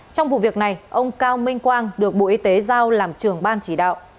trong vụ việc này ông cao minh quang được bộ y tế giao làm trưởng ban chỉ đạo